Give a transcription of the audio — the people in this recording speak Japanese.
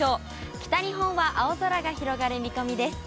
北日本は青空が広がる見込みです。